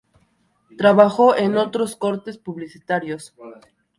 Trabajó en otros cortes publicitarios.